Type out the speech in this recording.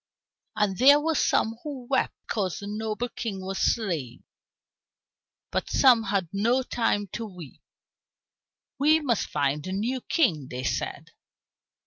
And there were some who wept because the noble King was slain, but some had no time to weep. "We must find a new king," they said.